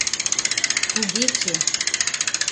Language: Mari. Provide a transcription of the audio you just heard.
Кугече!